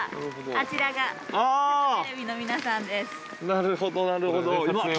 なるほどなるほど。